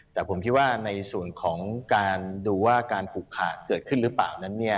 แต่ผมคิดว่าในส่วนของการดูว่าการผูกขาดเกิดขึ้นหรือเปล่านั้นเนี่ย